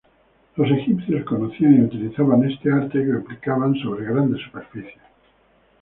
Los egipcios conocían y utilizaban este arte que aplicaban sobre grandes superficies.